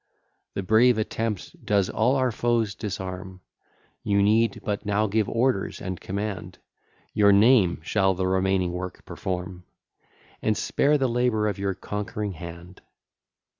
The brave attempt does all our foes disarm; You need but now give orders and command, Your name shall the remaining work perform, And spare the labour of your conquering hand.